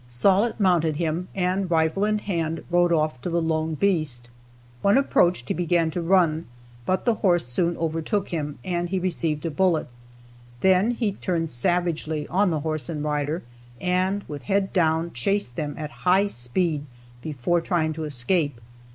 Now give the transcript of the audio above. Sollitt mounted him, and, rifle in hand, rode for the lone beast. When approached he began to run, but the horse soon overtook him, and he received a bullet. Then he turned savagely on the horse and rider, and, with head down, chased them at high speed before trying to escape.